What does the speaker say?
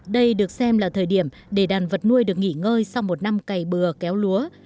đây được xem là thời điểm để đàn vật nuôi được nghỉ ngơi sau một năm cày bừa kéo lúa